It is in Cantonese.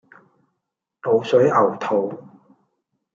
滷水牛肚